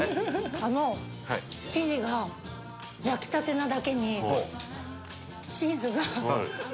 あの生地が焼きたてなだけに。